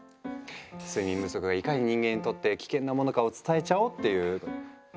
睡眠不足がいかに人間にとって危険なものかを伝えちゃおうっていう。